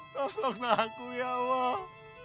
tolonglah aku ya allah